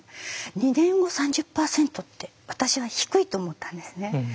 ２年後３０％って私は低いと思ったんですね。